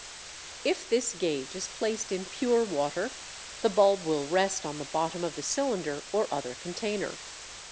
If this gauge is placed in pure water the bulb will rest on the bottom of the cylinder or other container.